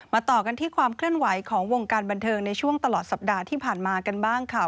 ต่อกันที่ความเคลื่อนไหวของวงการบันเทิงในช่วงตลอดสัปดาห์ที่ผ่านมากันบ้างค่ะ